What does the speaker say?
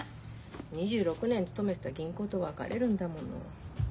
２６年勤めてた銀行と別れるんだもの。